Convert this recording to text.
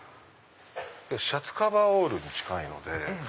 シャツカバーオールに近いので。